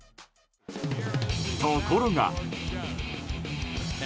ところが。